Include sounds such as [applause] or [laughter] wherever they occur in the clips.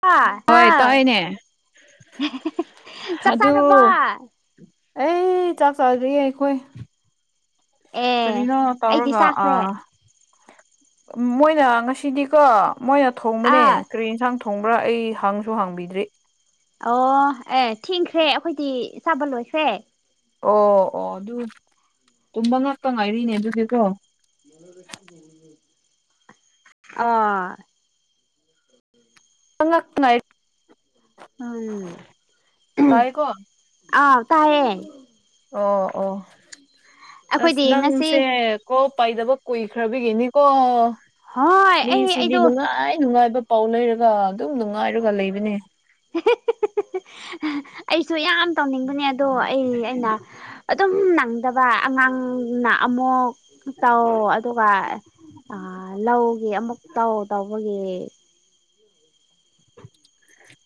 ꯑꯥ ꯍꯣꯏ ꯍꯥꯎ ꯇꯥꯏꯌꯦꯅꯦ ꯆꯥꯛ ꯑꯗꯨ ꯆꯥꯔꯕꯣ ꯑꯦ ꯆꯥꯛ ꯆꯥꯗ꯭ꯔꯤꯌꯦ ꯑꯩꯈꯣꯏ ꯑꯦ ꯀꯔꯤꯅꯣ ꯑꯩꯗꯤ ꯇꯧꯔꯒꯥ ꯑ ꯆꯥꯈ꯭ꯔꯦ ꯃꯣꯏꯅ ꯉꯁꯤꯗꯤꯀꯣ ꯃꯣꯏꯅ ꯊꯣꯡꯕꯅꯦ ꯑꯥ ꯀꯔꯤ ꯏꯟꯁꯥꯡ ꯊꯣꯡ ꯍꯣꯡꯕ꯭ꯔꯥ ꯑꯩ ꯍꯪꯁꯨ ꯍꯥꯡꯕꯤꯗ꯭ꯔꯤ ꯑꯣ ꯑꯦ ꯊꯦꯡꯈ꯭ꯔꯦ ꯑꯩꯈꯣꯏꯗꯤ ꯆꯥꯕ ꯂꯣꯏꯈ꯭ꯔꯦ ꯑꯣ ꯑꯣ ꯑꯗꯨ ꯇꯨꯝꯕ ꯉꯥꯛꯇ ꯉꯥꯏꯔꯤꯅꯦ ꯑꯗꯨꯗꯤꯀꯣ ꯑꯥ [unintelligible] [unintelligible] ꯎꯝ ꯇꯥꯏꯌꯦꯀꯣ ꯑꯥ ꯇꯥꯏꯌꯦ ꯑꯣ ꯑꯣ ꯑꯁ ꯑꯩꯈꯣꯏꯗꯤ ꯉꯁꯤ ꯅꯪꯁꯦ ꯀꯣꯜ ꯄꯥꯏꯗꯕ ꯀꯨꯏꯈ꯭ꯔꯕꯒꯤꯅꯤꯀꯣ ꯍꯣꯏ ꯑꯩ ꯃꯤꯁꯤꯗꯤ ꯑꯩꯗꯣ ꯅꯨꯡꯉꯥꯏ ꯅꯨꯡꯉꯥꯏꯕ ꯄꯥꯎꯅꯔꯒ ꯑꯗꯨꯝ ꯅꯨꯡꯉꯥꯏꯔꯒ ꯂꯩꯕꯅꯦ ꯑꯩꯁꯨ ꯌꯥꯝ ꯇꯧꯅꯤꯡꯕꯅꯦ ꯑꯗꯣ ꯑꯩ ꯑꯩꯅ ꯑꯗꯨꯝ ꯅꯪꯗꯕ ꯑꯉꯥꯡꯅ ꯑꯃꯨꯛ ꯇꯧ ꯑꯗꯨꯒ ꯑꯥ ꯂꯧꯒꯤ ꯑꯃꯨꯛ ꯇꯧ ꯇꯧꯕꯒꯤ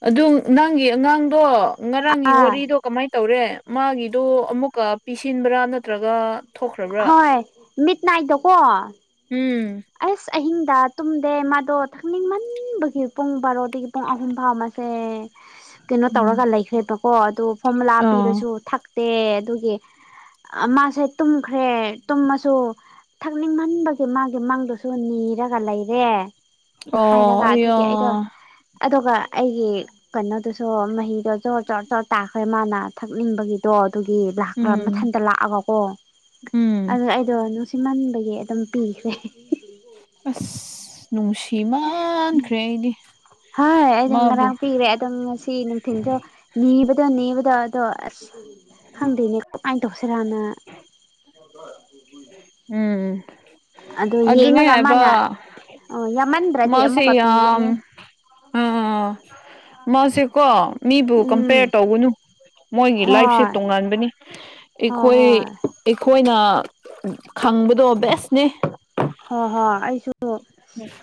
ꯑꯗꯨ ꯅꯪꯒꯤ ꯑꯉꯥꯡꯗꯣ ꯉꯔꯥꯡꯒꯤ ꯑꯥ ꯋꯥꯔꯤꯗꯣ ꯀꯃꯥꯏ ꯇꯧꯔꯦ ꯃꯥꯒꯤꯗꯨ ꯑꯃꯨꯛꯀ ꯄꯤꯁꯤꯟꯕ꯭ꯔꯥ ꯅꯠꯇ꯭ꯔꯒ ꯊꯣꯛꯈ꯭ꯔꯕ꯭ꯔꯥ ꯍꯣꯏ ꯃꯤꯠ ꯅꯥꯏꯠꯗ ꯀꯣ ꯎꯝ ꯑꯁ ꯑꯍꯤꯡꯗ ꯇꯨꯝꯗꯦ ꯃꯥꯗꯣ ꯊꯛꯅꯤꯡꯃꯟꯕꯒꯤ ꯄꯨꯡ ꯕꯥꯔꯣ ꯗꯒꯤ ꯄꯨꯡ ꯑꯍꯨꯝ ꯐꯥꯎ ꯃꯁꯦ ꯀꯦꯅꯣ ꯎꯝ ꯇꯧꯔꯒ ꯂꯩꯈ꯭ꯔꯦꯕꯀꯣ ꯑꯗꯨ ꯐꯣꯔꯃꯨꯂꯥ ꯑ ꯄꯤꯔꯁꯨ ꯊꯛꯇꯦ ꯑꯗꯨꯒꯤ ꯃꯥꯁꯦ ꯇꯨꯝꯈ꯭ꯔꯦ ꯇꯨꯝꯃꯁꯨ ꯊꯛꯅꯤꯡꯃꯟꯕꯒꯤ ꯃꯥꯒꯤ ꯃꯪꯗꯁꯨ ꯅꯤꯔꯒ ꯂꯩꯔꯦ ꯑꯣ ꯍꯥꯏꯔꯒ ꯑꯌꯥ ꯑꯗꯨꯒꯤ ꯑꯩꯗꯣ ꯑꯗꯨꯒ ꯑꯩꯒꯤ ꯀꯩꯅꯣꯗꯨꯁꯨ ꯃꯍꯤꯗꯣ ꯖꯣꯔ ꯖꯣꯔ ꯖꯣꯔ ꯇꯥꯈ꯭ꯔꯦ ꯃꯥꯅ ꯊꯛꯅꯤꯡꯕꯒꯤ ꯑꯗꯣ ꯑꯗꯨꯒꯤ ꯂꯥꯛ ꯎꯝ ꯃꯊꯟꯇ ꯂꯥꯛꯑꯒꯀꯣ ꯎꯝ ꯑꯗꯨ ꯑꯩꯗꯣ ꯃꯟꯕꯒꯤ ꯑꯗꯨꯝ ꯄꯤꯈ꯭ꯔꯦ ꯑꯁ ꯅꯨꯡꯁꯤꯃꯟꯈ꯭ꯔꯦ ꯑꯩꯗꯤ ꯍꯥꯏ ꯑꯩꯗꯤ ꯃꯥꯕꯨ ꯉꯔꯥꯡ ꯄꯤꯒ꯭ꯔ‌ꯦ ꯑꯗꯨ ꯉꯁꯤ ꯅꯨꯡꯊꯤꯟꯗꯣ ꯅꯤꯕꯗ ꯅꯤꯕꯗ ꯑꯗꯣ ꯑꯁ ꯈꯪꯗꯦꯅꯦ ꯀꯃꯥꯏꯟ ꯇꯧꯁꯤꯔꯅ ꯎꯝ ꯑꯗꯣ ꯑꯗꯨꯅꯦ ꯌꯦꯡꯉꯒ ꯍꯥꯏꯕ ꯃꯥꯅ ꯑꯣ ꯌꯥꯃꯟꯕ ꯃꯥꯁ‌ꯦ ꯌꯥꯝ ꯑ ꯃꯥꯁꯦ ꯀꯣ ꯃꯤꯕꯨ ꯎꯝ ꯀꯝꯄꯦꯌꯔ ꯇꯧꯒꯅꯨ ꯃꯣꯏꯒꯤ ꯂꯥꯏꯐꯁꯦ ꯍꯣꯏ ꯇꯣꯉꯥꯟꯕꯅꯤ ꯍꯣꯏ ꯑꯩꯈꯣꯏ ꯍꯣꯏ ꯑꯩꯈꯣꯏꯅ ꯈꯪꯕꯗꯣ ꯕꯦꯁꯅꯦ ꯍꯣ ꯍꯣ ꯑꯩꯁꯨꯅꯦ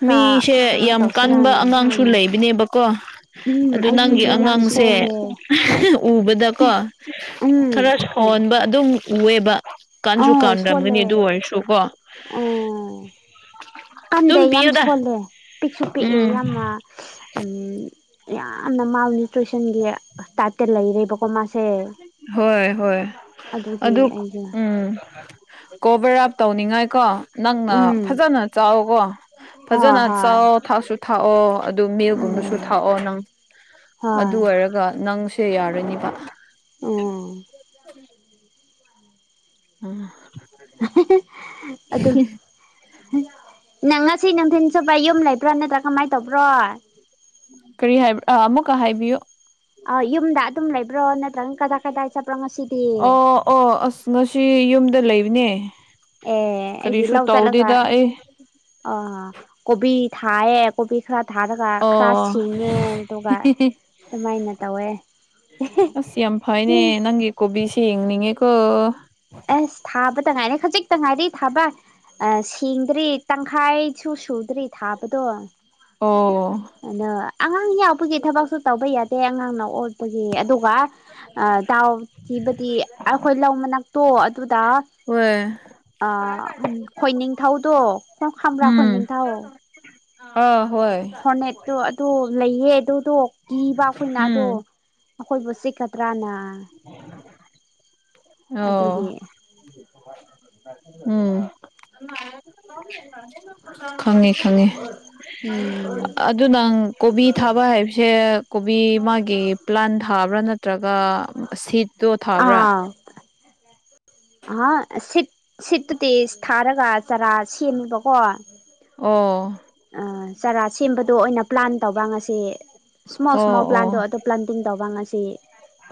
ꯃꯤꯁꯦ ꯌꯥꯝ ꯀꯟꯕ ꯑꯉꯥꯡꯁꯨ ꯂꯩꯕꯅꯦꯕꯀꯣ ꯎꯝ ꯑꯗꯨ ꯅꯪꯒꯤ ꯑꯩꯒꯤꯗꯤ ꯌꯥꯝ ꯑꯉꯥꯡꯁꯦ ꯁꯣꯜꯂꯦ ꯎꯕꯗꯀꯣ ꯎꯝ ꯈꯔ ꯁꫭꯟꯕ ꯑꯗꯨꯝ ꯎꯋ‌ꯦꯕ ꯀꯟꯁꯨ ꯀꯥꯟꯔꯝꯒꯅꯤ ꯑꯗꯨ ꯑꯣꯏꯔꯁꯨ ꯀꯣ ꯑ ꯀꯟꯗꯦ ꯑꯗꯨꯝ ꯌꯥꯝ ꯄꯤꯌꯨꯗ ꯁꯣꯜꯂꯦ ꯄꯤꯛꯁꯨ ꯄꯤꯛꯑꯦ ꯎꯝ ꯌꯥꯝꯅ ꯑ ꯌꯥꯝꯅ ꯃꯥꯕꯨ [unintelligible] ꯇ ꯂꯩꯔꯦꯕꯀꯣ ꯃꯥꯁꯦ ꯍꯣꯏ ꯍꯣꯏ ꯑꯗꯨꯒꯤ ꯑꯗꯨ ꯑꯩꯗꯣ ꯎꯝ ꯀꯣꯚꯔ ꯑꯞ ꯇꯧꯅꯤꯡꯉꯥꯏ ꯀꯣ ꯅꯪꯅ ꯎꯝ ꯐꯖꯅ ꯆꯥꯎꯀꯣ ꯍꯣꯏ ꯐꯖꯅ ꯍꯣꯏ ꯆꯥꯎꯑꯣ ꯊꯛꯁꯨ ꯊꯛꯑꯣ ꯑꯗꯨ ꯃꯦꯜꯒꯨꯝꯕꯁꯨ ꯎꯝ ꯊꯛꯑꯣ ꯅꯪ ꯍꯣꯏ ꯑꯗꯨ ꯑꯣꯏꯔꯒ ꯅꯪꯁꯦ ꯌꯥꯔꯅꯤꯕ ꯎꯝ ꯑ ꯑꯗꯨ ꯅꯪ ꯉꯁꯤ ꯅꯨꯡꯊꯤꯟ ꯆꯨꯞꯄ ꯌꯨꯝ ꯂꯩꯕ꯭ꯔꯥ ꯅꯠꯇ꯭ꯔꯥ ꯀꯃꯥꯏꯅ ꯇꯧꯕ꯭ꯔꯣ ꯀꯔꯤ ꯍꯥꯏꯕ ꯑ ꯑꯃꯨꯛꯀ ꯍꯥꯏꯕꯤꯌꯨ ꯑ ꯌꯨꯝꯗ ꯑꯗꯨꯝ ꯂꯩꯕ꯭ꯔꯣ ꯅꯠꯇ꯭ꯔꯒꯅ ꯀꯗꯥꯏ ꯀꯗꯥꯏ ꯆꯠꯄ꯭ꯔꯣ ꯉꯁꯤꯗꯤ ꯑꯣ ꯑꯣ ꯑꯁ ꯉꯁꯤ ꯌꯨꯝꯗ ꯂꯩꯕꯅꯦ ꯑꯦ ꯑꯩꯗꯤ ꯀꯔꯤꯁꯨ ꯂꯧ ꯆꯠꯂꯒ ꯇꯧꯗꯦꯗ ꯑꯩ ꯑ ꯀꯣꯕꯤ ꯊꯥꯏꯌꯦ ꯀꯣꯕꯤ ꯈꯔ ꯊꯥꯔꯒ ꯈꯔ ꯑꯣ ꯁꯤꯡꯉꯦ ꯑꯗꯨꯒ ꯑꯗꯨꯃꯥꯏꯅ ꯇꯧꯋꯦ ꯑꯁ ꯌꯥꯝ ꯐꯩꯅꯦ ꯅꯪꯒꯤ ꯀꯣꯕꯤꯁꯦ ꯌꯦꯡꯅꯤꯡꯉꯦꯀꯣ ꯑꯁ ꯊꯥꯕ ꯇ ꯉꯥꯏꯔ‌ꯦ ꯈꯖꯤꯛꯇ ꯉꯥꯏꯔꯤ ꯊꯥꯕ ꯑ ꯁꯦꯡꯗ꯭ꯔꯤ ꯇꯪꯈꯥꯏꯁꯨ ꯁꯨꯗ꯭ꯔꯤ ꯊꯥꯕꯗꯣ ꯑꯣ ꯑꯗꫭ ꯑꯉꯥꯡ ꯌꯥꯎꯕꯒꯤ ꯊꯕꯛꯁꯨ ꯇꯧꯕ ꯌꯥꯗꯦ ꯑꯉꯥꯡꯅ ꯑꯣꯠꯄꯒꯤ ꯑꯗꯨꯒ ꯑ ꯗꯥꯎꯇꯤꯕꯗꯤ ꯑꯩꯈꯣꯏ ꯂꯧ ꯃꯅꯥꯛꯇꯣ ꯑꯗꯨꯗ ꯍꯣꯏ ꯑ ꯈꯣꯏꯅꯤꯡꯊꯧꯗꯣ ꯅꯪ ꯈꯪꯕ꯭ꯔꯥ ꯎꯝ ꯈꯣꯏꯅꯤꯡꯊꯧ ꯑꯥ ꯍꯣꯏ ꯐꯣꯔꯅꯦꯠꯇꯣ ꯑꯗꯨ ꯂꯩꯌꯦ ꯑꯗꯨꯗꯣ ꯀꯤꯕ ꯑꯩꯈꯣꯏꯅ ꯎꯝ ꯑꯗꯣ ꯑꯩꯈꯣꯏꯕꯨ ꯆꯤꯛꯀꯗ꯭ꯔꯥꯅ ꯑꯗꯨꯒꯤ ꯑꯣ ꯎꯝ ꯈꯪꯉꯦ ꯈꯪꯉꯦ ꯎꯝ ꯑꯗꯨ ꯅꯪ ꯀꯣꯕꯤ ꯊꯥꯕ ꯍꯩꯕꯁꯦ ꯀꯣꯕꯤ ꯃꯥꯒꯤ ꯄ꯭ꯂꯥꯟ ꯊꯥꯕ꯭ꯔꯥ ꯅꯠꯇ꯭ꯔꯒ ꯁꯤꯠ ꯑꯥ ꯍꯥ ꯁꯤꯠ ꯁꯤꯠꯇꯨꯗꯤ ꯊꯥꯔꯒ ꯆꯔꯥ ꯁꯦꯝꯃꯦꯕꯀꯣ꯫ ꯑꯣ ꯑ ꯆꯥꯔꯥ ꯁꯦꯝꯕꯗꯣ ꯑꯣꯏꯅ ꯄ꯭ꯂꯥꯟ ꯇꯧꯕ ꯉꯁꯤ ꯁ꯭ꯃꯣꯜ ꯑꯣ ꯁ꯭ꯃꯣꯜ ꯑꯣ ꯄ꯭ꯂꯥꯟꯗꯣ ꯑꯗꯨ ꯄ꯭ꯂꯥꯟꯇꯤꯡ ꯇꯧꯕ ꯉꯁꯤ꯫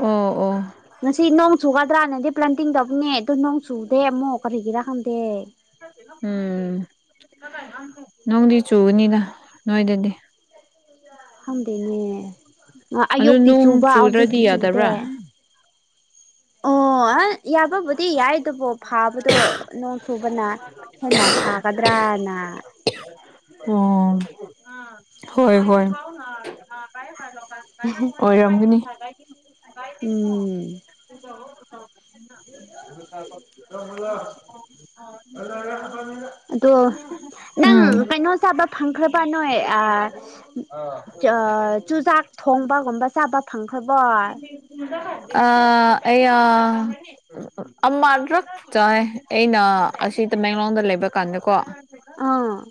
ꯑꯣ ꯑꯣ ꯉꯁꯤ ꯅꯣꯡ ꯆꯨꯒꯗ꯭ꯔꯥꯅꯗꯤ ꯄ꯭ꯂꯥꯟꯇꯤꯡ ꯇꯧꯕꯅꯦ ꯑꯗꯨ ꯅꯣꯡ ꯆꯨꯗꯦ ꯑꯃꯨꯛ ꯀꯔꯤꯒꯤꯔꯥ ꯈꯪꯗꯦ꯫ ꯎꯝ ꯅꯨꯡꯗꯤ ꯆꯨꯒꯅꯤꯗ ꯅꯣꯏꯗꯗꯤ꯫ ꯈꯪꯗꯦꯅꯦ ꯑꯗꯨ ꯑꯌꯨꯛꯇꯤ ꯅꯣꯡ ꯆꯨꯕ ꯆꯨꯗ꯭ꯔꯗꯤ ꯍꯧꯖꯤꯛꯇꯤ ꯆꯨꯗꯦ꯫ ꯌꯥꯗꯕ꯭ꯔꯥ ꯑꯣ [unintelligible] ꯌꯥꯕꯕꯨꯗꯤ ꯌꯥꯏ ꯑꯗꯨꯕꯨ ꯐꯥꯕꯗꯣ ꯅꯣꯡ ꯆꯨꯕꯅ꯫ ꯍꯦꯟꯅ ꯐꯒꯗ꯭ꯔꯥꯅ꯫ ꯑꯣ ꯍꯣꯏ ꯍꯣꯏ꯫ ꯑꯣꯏꯔꯝꯒꯅꯤ꯫ ꯎꯝ [inaudible] ꯑꯗꯣ ꯅꯪ ꯎꯝ ꯀꯩꯅꯣ ꯆꯕ ꯐꯪꯈ꯭ꯔꯥꯕ ꯅꯣꯏ ꯑꯥ ꯑ ꯆꯨꯖꯥꯛ ꯊꯣꯡꯕꯒꯨꯝꯕ ꯆꯥꯕ ꯐꯪꯈ꯭ꯔꯥꯕꯣ? ꯑ ꯑꯌꯥ ꯑꯃꯔꯛ ꯆꯥꯏ ꯑꯩꯅ ꯑꯁꯤ ꯇꯃꯦꯡꯂꯣꯡꯗ ꯂꯩꯕ ꯀꯥꯟꯗꯀꯣ꯫ ꯑꯥ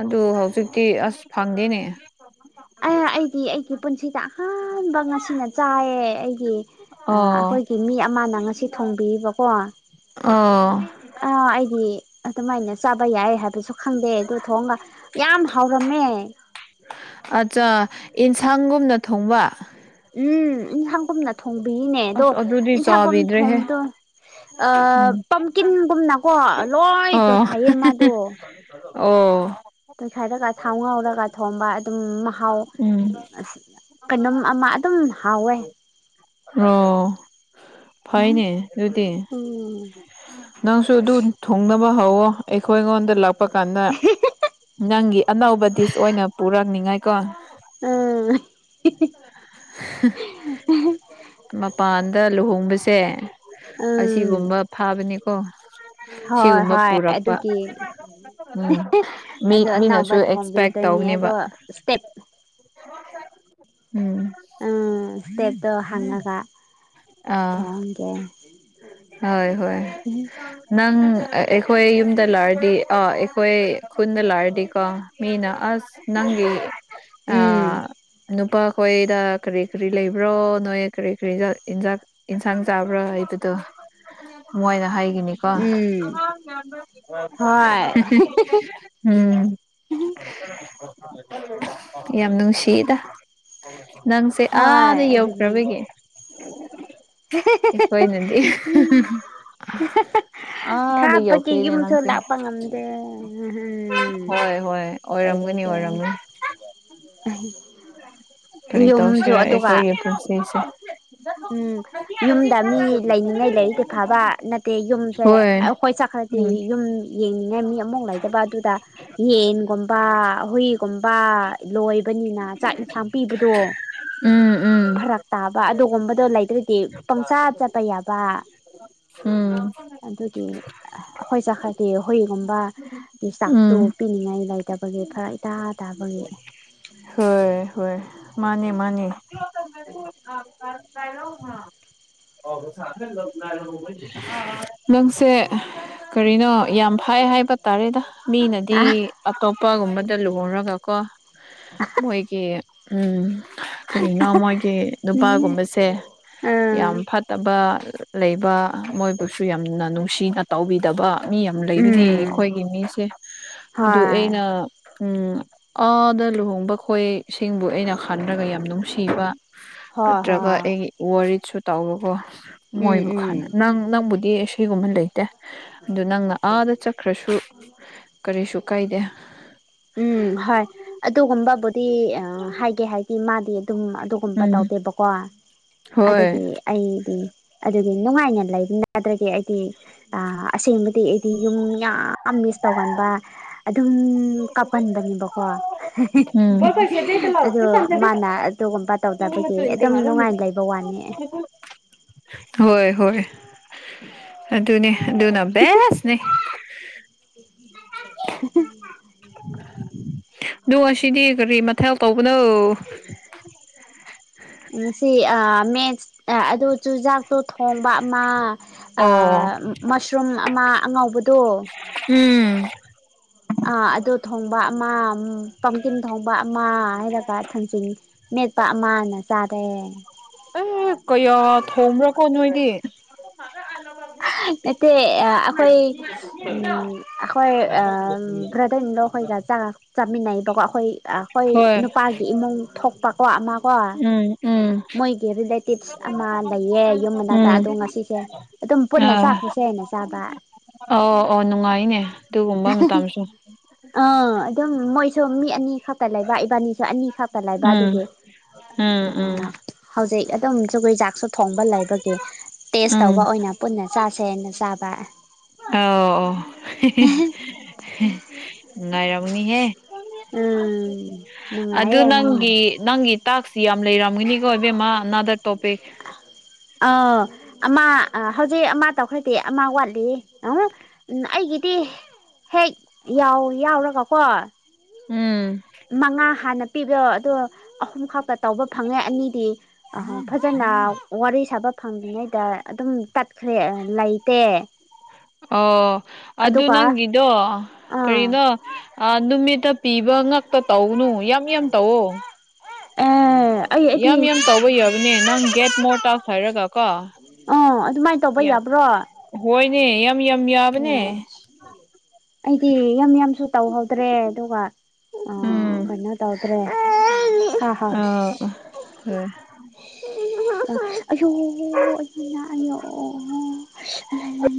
ꯑꯗꯨ ꯍꯧꯖꯤꯛꯇꯤ ꯑꯁ ꯐꯪꯗꯦꯅꯦ꯫ ꯑ ꯑꯩꯒꯤ ꯑꯩꯒꯤ ꯄꯨꯟꯁꯤꯗ ꯑꯍꯥꯟꯕ ꯉꯁꯤꯅ ꯆꯥꯏꯌꯦ ꯑꯩꯒꯤ ꯑ ꯑꯣ ꯑꯩꯈꯣꯏ ꯃꯤ ꯑꯃꯅ ꯉꯁꯤ ꯊꯣꯡꯕꯤꯕꯀꯣ꯫ ꯑ ꯑ ꯑꯩꯗꯤ ꯑꯗꯨꯃꯥꯏꯅ ꯆꯥꯕ ꯌꯥꯏ ꯍꯥꯏꯕꯁꯨ ꯈꯪꯗꯦ ꯑꯗꯨ ꯊꯣꯡꯒ ꯌꯥꯝ ꯍꯥꯎꯔꯝꯃꯦ꯫ ꯑꯠꯆꯥ ꯏꯟꯁꯥꯡꯒꯨꯝꯅ ꯊꯣꯡꯕ? ꯎꯝ ꯏꯟꯁꯥꯡꯒꯨꯝꯅ ꯊꯣꯡꯕꯤꯏꯅꯦ ꯑꯗꯣ ꯑꯁ ꯑꯗꯨꯗꯤ ꯏꯟꯁꯥꯡꯒꯨꯝ ꯆꯥꯕꯤꯗ꯭ꯔꯦꯍꯦ ꯊꯣꯡꯕꯗꯣ ꯑ ꯎꯝ ꯄꯝꯀꯤꯟꯒꯨꯝꯅꯀꯣ ꯂꯣꯏ ꯑꯣ ꯇꯣꯏꯈꯥꯏꯌꯦ ꯃꯥꯗꯣ꯫ ꯑꯣ ꯇꯣꯏꯈꯥꯏꯔꯒ ꯊꯥꯎ ꯉꯥꯎꯔꯒ ꯊꯣꯡꯕ ꯑꯗꯨꯝ ꯃ ꯍꯥꯎ ꯎꯝ ꯀꯩꯅꯣꯝ ꯑꯃ ꯑꯗꯨꯝ ꯍꯥꯎꯋꯦ꯫ ꯑꯣ ꯎꯝ ꯐꯩꯅꯦ ꯑꯗꯨꯗꯤ꯫ ꯅꯪꯁꯨ ꯑꯗꯨ ꯊꯨꯡꯅꯕ ꯍꯧꯋꯣ ꯑꯩꯈꯣꯏ ꯑꯩꯉꯣꯟꯗ ꯂꯥꯛꯄ ꯀꯥꯟꯗ ꯅꯪꯒꯤ ꯑꯅꯧꯕ ꯗꯤꯁ ꯑꯣꯏꯅ ꯄꯨꯔꯛꯅꯤꯉꯥꯏꯀꯣ꯫ ꯎꯝ ꯃꯄꯥꯟꯗ ꯂꯨꯍꯣꯡꯕꯁꯦ ꯎꯝ ꯑꯁꯤꯒꯨꯝꯕ ꯐꯥꯕꯅꯤꯀꯣ ꯍꯣꯏ ꯁꯤꯒꯨꯝꯕ ꯍꯣꯏ ꯄꯨꯔꯛꯄ꯫ ꯑꯗꯨꯒꯤ ꯎꯝ ꯃꯤ ꯑꯗꯣ ꯑꯅꯧꯕ ꯃꯤꯅꯁꯨ ꯑꯦꯛꯁꯄꯦꯛ ꯊꯣꯡꯕꯤꯗꯣꯏꯅꯦ ꯑꯗꯣ ꯇꯧꯕꯅꯤꯕ꯫ ꯏꯁꯇꯦꯞ ꯎꯝ ꯎꯝ ꯁ꯭ꯇꯦꯞꯇꯣ ꯍꯟꯂꯒ ꯑ ꯍꯣꯏ ꯍꯣꯏ ꯅꯪ ꯑꯩꯈꯣꯏ ꯌꯨꯝꯗ ꯂꯥꯛꯔꯗꯤ ꯑꯥ ꯑꯩꯈꯣꯏ ꯈꯨꯟꯗ ꯂꯥꯛꯔꯗꯤꯀꯣ ꯃꯤꯅ ꯑꯁ ꯅꯪꯒꯤ ꯑ ꯎꯝ ꯅꯨꯄꯥꯈꯣꯏꯗ ꯀ꯭ꯔꯤ ꯀ꯭ꯔꯤ ꯂꯩꯕ꯭ꯔꯣ ꯅꯣꯏ ꯀ꯭ꯔꯤ ꯀ꯭ꯔꯤꯗ ꯏꯟꯖꯥꯛ ꯏꯟꯁꯥꯡ ꯆꯥꯕ꯭ꯔꯥ ꯍꯥꯏꯕꯗꯣ ꯃꯣꯏꯅ ꯍꯥꯏ ꯅꯤ ꯀꯣ [unintelligible] ꯎꯝ ꯍꯣꯏ ꯎꯝ ꯌꯥꯝ ꯅꯨꯡꯁꯤ ꯁꯤꯗ ꯅꯪꯁꯦ ꯍꯣꯏ ꯑꯥꯗ ꯑꯗꯨꯅꯦ ꯌꯧꯈ꯭ꯔꯕꯒꯤ ꯑꯩꯈꯣꯏꯅꯗꯤ ꯑꯥꯗꯩ ꯊꯥꯞꯄꯒꯤ ꯌꯥꯎꯈ꯭ꯔꯦꯅꯦ ꯌꯨꯝꯁꯨ ꯅꯪꯁꯤ ꯂꯥꯛꯄ ꯉꯝꯗꯦ ꯎꯝ ꯍꯣꯏ ꯍꯣꯏ ꯎꯄꯥꯏ ꯑꯣꯏꯔꯝꯒꯅꯤ ꯂꯩꯇꯦ ꯑꯣꯏꯔꯝꯒꯅꯤ ꯀꯔꯤ ꯌꯨꯝꯁꯨ ꯇꯧꯁꯤꯔ ꯑꯗꯨꯒ ꯑꯩꯈꯣꯏꯒꯤ ꯄꯨꯟꯁꯤꯁꯦ ꯎꯝ ꯏ [unintelligible] ꯌꯨꯝꯗ ꯃꯤ ꯂꯩꯅꯤꯡꯉꯥꯏ ꯂꯩꯔꯤꯗꯤ ꯐꯕ ꯅꯠꯇꯦ ꯌꯨꯝꯁꯦ ꯍꯣꯏ ꯑꯩꯈꯣꯏ ꯆꯠꯈ꯭ꯔꯗꯤ ꯎꯝ ꯌꯨꯝ ꯌꯦꯡꯅꯤꯡꯉꯥꯏ ꯃꯤ ꯑꯃꯨꯛ ꯂꯩꯇꯕ ꯑꯗꯨꯗ ꯌꯦꯟꯒꯨꯝꯕ ꯍꯨꯏꯒꯨꯝꯕ ꯂꯣꯏꯕꯅꯤꯅ ꯆꯥꯛ ꯏꯟꯁꯥꯡ ꯄꯤꯕꯗꯣ ꯎꯝ ꯎꯝ ꯐꯔꯛ ꯇꯥꯕ ꯑꯗꯨꯒꯨꯝꯕꯗꯣ ꯂꯩꯗ꯭ꯔꯗꯤ ꯄꯪꯆꯥꯥ ꯆꯠꯄ ꯌꯥꯕ ꯎꯝ ꯑꯗꯨꯒꯤ ꯑꯩꯈꯣꯏ ꯆꯠꯈ꯭ꯔꯗꯤ ꯍꯨꯏꯒꯨꯝꯕ ꯆꯥꯛꯇꯣ ꯎꯝ ꯄꯤꯅꯤꯡꯉꯥꯏ ꯂꯩꯇꯕꯒꯤ ꯐꯔꯛ ꯏꯇꯥ ꯇꯥꯕꯒꯤ ꯍꯣꯏ ꯍꯣꯏ ꯃꯥꯅꯦ ꯃꯥꯅꯦ ꯀ ꯀꯥꯏꯂꯣ ꯍꯥ [unintelligible] ꯅꯪꯁꯦ ꯀꯔꯤꯅꯣ ꯌꯥꯝ ꯐꯥꯏ ꯍꯥꯏꯕ ꯇꯥꯔꯦꯗ ꯃꯤꯅꯗꯤ ꯑꯇꯣꯞꯄꯒꯨꯝꯕꯗ ꯂꯨꯍꯣꯡ ꯔꯒꯀꯣ ꯃꯣꯏꯒꯤ ꯎꯝ ꯀꯔꯤꯅꯣ ꯃꯣꯏꯒꯤ ꯅꯤꯡꯉꯦ ꯅꯨꯄꯥꯒꯨꯝꯕꯁꯦ ꯑꯥ ꯌꯥꯝ ꯐꯠꯇꯕ ꯂꯩꯕ ꯃꯣꯏꯕꯨꯁꯨ ꯌꯥꯝꯅ ꯅꯨꯡꯁꯤꯅ ꯇꯧꯕꯤꯗꯕ ꯃꯤ ꯌꯥꯝ ꯂꯩꯕꯅꯦ ꯎꯝ ꯑꯩꯈꯣꯏꯒꯤ ꯃꯤꯁꯦ ꯑꯗꯨ ꯍꯣꯏ ꯑꯩꯅ ꯎꯝ ꯑꯥꯗ ꯂꯨꯍꯣꯡꯕ ꯈꯣꯏ ꯁꯤꯡꯕꯨ ꯑꯩꯅ ꯈꯟꯔꯒ ꯌꯥꯝ ꯅꯨꯡꯁꯤꯕ ꯍꯣꯏ ꯅꯠꯇ꯭ꯔꯒ ꯍꯣꯏ ꯑꯩꯒꯤ ꯋꯥꯔꯤꯠꯁꯨ ꯇꯥꯎꯕꯀꯣ ꯎꯝ ꯃꯣꯏꯕꯨ ꯎꯝ ꯈꯅ ꯅꯪ ꯅꯪꯕꯨꯗꯤ ꯁꯤꯒꯨꯝꯕ ꯂꯩꯇꯦ ꯑꯗꯨ ꯅꯪꯅ ꯑꯥꯗ ꯆꯠꯈ꯭ꯔꯁꯨ ꯀꯔꯤꯁꯨ ꯀꯥꯏꯗꯦ ꯎꯝ ꯍꯣꯏ ꯑꯗꯨꯒꯨꯝꯕꯕꯨꯗꯤ ꯍꯥꯏꯒꯦ ꯍꯥꯏꯗꯤ ꯃꯥꯗꯤ ꯑꯗꯨꯝ ꯑꯗꯨꯒꯨꯝꯕ ꯎꯝ ꯇꯧꯗꯦꯕꯀꯣ ꯍꯣꯏ ꯑꯗꯨꯒꯤ ꯑꯩꯗꯤ ꯑꯗꯨꯒꯤ ꯅꯨꯡꯉꯥꯏꯅ ꯂꯩꯕ ꯅꯠꯇ꯭ꯔꯒꯦ ꯑꯩꯗꯤ ꯑꯁꯦꯡꯕꯗꯤ ꯑꯩꯗꯤ ꯌꯨꯝ ꯌꯥꯝ ꯃꯤꯁ ꯇꯧꯒꯟꯕ ꯑꯗꯨꯝ ꯀꯥꯞꯀꯟꯕꯅꯦꯕꯀꯣ ꯎꯝ ꯑꯗꯣ ꯃꯥꯅ ꯑꯗꯨꯒꯨꯝꯕ ꯇꯧꯗꯕꯒꯤ ꯑꯗꯨꯝ ꯅꯨꯡꯉꯥꯏꯅ ꯂꯩꯕ ꯋꯥꯅꯤ ꯍꯣꯏ ꯍꯣꯏ ꯑꯗꯨꯅꯤ ꯑꯗꯨꯅ ꯕꯦꯁꯅꯦ [inaudible] [inaudible] ꯅꯣꯡ ꯑꯁꯤꯗꯤ ꯀꯔꯤ ꯃꯊꯦꯜ ꯇꯧꯕꯅꯣ ꯎꯝ [unintelligible] ꯁꯤ ꯑ ꯃꯦꯁ ꯑꯗꯨ ꯆꯨꯖꯥꯛꯇꯣ ꯊꯣꯡꯕ ꯑꯃ ꯑꯣ ꯑꯥ ꯃꯁꯔꯨꯝ ꯑꯃ ꯑꯉꯧꯕꯗꯣ ꯎꯝ ꯑꯥ ꯑꯗꯨ ꯊꯣꯡꯕ ꯑꯃ ꯄꯝꯀꯤꯝ ꯊꯣꯡꯕ ꯑꯃ ꯍꯥꯏꯔꯒ ꯊꯥꯡꯖꯤꯡ ꯃꯦꯠꯄ ꯑꯃꯅ ꯆꯥꯔꯦ ꯑꯦ ꯀꯌꯥ ꯊꯣꯡꯕ꯭ꯔꯥꯀꯣ ꯅꯣꯏꯗꯤ ꯅꯠꯇꯦ ꯑ ꯑꯩꯈꯣꯏ ꯎꯝ ꯑꯩꯈꯣꯏ ꯑ ꯕ꯭ꯔꯗꯔ ꯏꯟꯂꯣꯈꯣꯏꯒ ꯆꯥꯛ ꯆꯥꯃꯤꯟꯅꯩꯕꯀꯣ ꯑꯩꯈꯣꯏ ꯑ ꯑꯩꯈꯣꯏ ꯍꯣꯏ ꯅꯨꯄꯥꯒꯤ ꯏꯃꯨꯡ ꯊꯣꯛꯄꯀꯣ ꯑꯃ ꯀꯣ ꯎꯝ ꯎꯝ ꯃꯣꯏꯒꯤ ꯔꯤꯂꯦꯇꯤꯞꯁ ꯑꯃ ꯂꯩꯌꯦ ꯌꯨꯝ ꯃꯅꯥꯛꯇ ꯎꯝ ꯑꯗꯣ ꯉꯁꯤꯁꯦ ꯑꯗꯨꯝ ꯄꯨꯟꯅ ꯆꯥꯈ꯭ꯔꯁꯦ ꯍꯥꯏꯅ ꯆꯥꯕ ꯑꯥꯎ ꯑꯣ ꯅꯨꯡꯉꯥꯏꯅꯦ ꯑꯗꯨꯒꯨꯝꯕ ꯃꯇꯝꯁꯨ ꯑꯥ ꯑꯗꯨꯝ ꯃꯣꯏꯁꯨ ꯃꯤ ꯑꯅꯤ ꯈꯛꯇ ꯂꯩꯕ ꯏꯕꯥꯅꯤꯁꯨ ꯑꯅꯤ ꯈꯛꯇ ꯂꯩꯕ ꯎꯝ ꯑꯗꯨꯒꯤ ꯎꯝ ꯎ ꯎꯝ ꯍꯧꯖꯤꯛ ꯑꯗꯨꯝ ꯖꯨꯒꯣꯏꯖꯥꯛꯁꯨ ꯊꯣꯡꯕ ꯂꯩꯕꯒꯤ ꯇꯦꯁ ꯎꯝ ꯇꯧꯕ ꯑꯣꯏꯅ ꯄꯨꯟꯅ ꯆꯥꯁꯦꯅ ꯆꯥꯕ ꯑꯣ ꯅꯨꯡꯉꯥꯏꯔꯝꯅꯤꯍꯦ ꯎꯝ ꯑꯗꯨ ꯅꯨꯡꯉꯥꯏꯌꯦ ꯎꯝ ꯅꯪꯒꯤ ꯅꯪꯒꯤ ꯇꯥꯛꯁ ꯌꯥꯝ ꯂꯩꯔꯝꯒꯅꯤꯀꯣ ꯏꯕꯦꯝꯃ ꯅꯥꯗꯛ [inaudible] ꯑ ꯑꯃ ꯍꯧꯖꯤꯛ ꯑꯃ ꯇꯧꯈ꯭ꯔꯗꯤ ꯑꯃ ꯋꯥꯠꯂꯤ ꯑ ꯎꯝ ꯑꯩꯒꯤꯗꯤ ꯍꯦꯛ ꯌꯥꯎ ꯌꯥꯎꯔꯒꯀꯣ ꯎꯝ ꯃꯉꯥ ꯍꯥꯟꯅ ꯄꯤꯕꯗꫭ ꯑꯗꯣ ꯑꯍꯨꯝ ꯈꯛꯇ ꯇꯧꯕ ꯐꯪꯉꯦ ꯑꯅꯤꯗꯤ ꯑ ꯐꯖꯅ ꯋꯥꯔꯤ ꯁꯥꯕ ꯐꯪꯗ꯭ꯔꯤꯉꯩꯗ ꯑꯗꯨꯝ ꯇꯠꯈ꯭ꯔꯦ ꯑ ꯂꯩꯇꯦ [inaudible] ꯑꯣ ꯑꯗꯨ ꯑꯗꯨꯒ ꯅꯪꯒꯤꯗꯣ ꯑꯥ ꯀꯔꯤꯅꯣ ꯑ ꯅꯨꯃꯤꯠꯇ ꯄꯤꯕ ꯉꯛꯇ ꯇꯧꯒꯅꯨ ꯌꯥꯝ ꯌꯥꯝ ꯇꯧꯋꫭ ꯑꯥ ꯌꯥꯝ ꯌꯥꯝ ꯇꯧꯕ ꯌꯥꯕꯅꯦ ꯅꯪ ꯒꯦꯠ ꯃꯣꯔ ꯇꯥꯛꯁ ꯍꯥꯏꯔꯒ ꯀꯣ ꯑꫭ ꯑꯗꯨꯃꯥꯏ ꯇꯧꯕ ꯌꯥꯝ ꯌꯥꯕ꯭ꯔꯣ ꯍꯣꯏꯅꯦ ꯌꯥꯝ ꯌꯥꯝ ꯌꯥꯕꯅꯦ ꯑꯣ ꯑꯩꯗꯤ ꯌꯥꯝ ꯌꯥꯝꯁꯨ ꯇꯧꯍꯧꯗ꯭ꯔꯦ ꯑꯗꯨꯒ ꯑ ꯎꯝ ꯀꯩꯅꫭ ꯇꯧꯗ꯭ꯔꯦ ꯍꯥꯍꯣꯏ ꯑꯍ ꯍꫭꯏ [unintelligible]